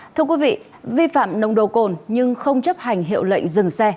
thưa quý vị vi phạm nồng độ cồn nhưng không chấp hành hiệu lệnh dừng xe